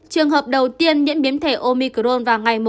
trường hợp đầu tiên nhiễm biến thể omicron